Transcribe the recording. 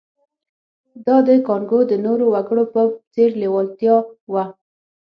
دا د کانګو د نورو وګړو په څېر لېوالتیا وه